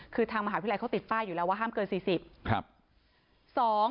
คือทางมหาวิทยาลัยเขาติดป้ายอยู่แล้วว่าห้ามเกิน๔๐